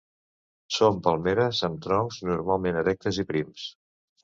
Són palmeres amb troncs normalment erectes i prims.